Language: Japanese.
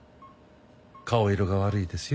顔色が悪いですよ。